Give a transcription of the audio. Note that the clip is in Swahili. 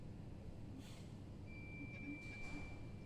ghuli za kupokea ushahidi zinatazamiwa kunakiliwa kwenye video